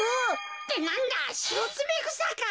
ってなんだシロツメクサか。